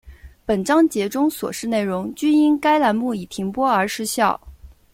本章节中所示内容均因该栏目已停播而失效